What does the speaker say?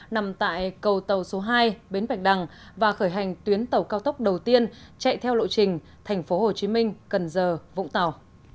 nằm tại cầu tàu số hai bến bạch đằng và khởi hành tuyến tàu cao tốc đầu tiên chạy theo lộ trình tp hcm cần giờ vũng tàu